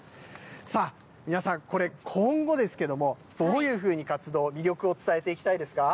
さあ、皆さんこれ、今後、どういうふうに活動、魅力を伝えていきたいですか。